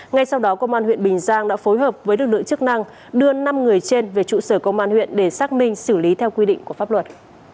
ngay sau đó công an huyện bình giang đã phối hợp với lực lượng chức năng đưa năm người trên về trụ sở công an huyện để xác minh xử lý theo quy định của pháp luật